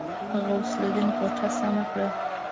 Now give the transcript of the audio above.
غوث الدين کوټه سمه کړه.